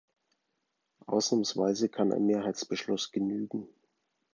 Ausnahmsweise kann ein Mehrheitsbeschluss genügen.